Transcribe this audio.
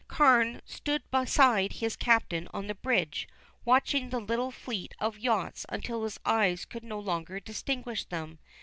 Carne stood beside his captain on the bridge, watching the little fleet of yachts until his eyes could no longer distinguish them.